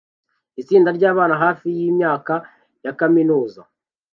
Itsinda ryabana hafi yimyaka ya kaminuza